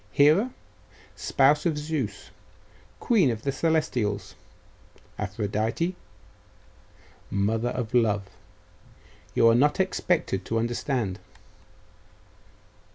Hera, spouse of Zeus, queen of the Celestials. Aphrodite, mother of love.... You are not expected to understand.